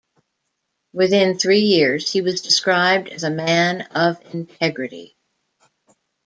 Within three years he was described as a man of integrity.